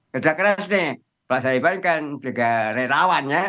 kerja keras nih pak saiban kan juga relawan ya